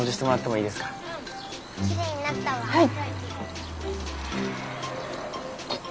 はい。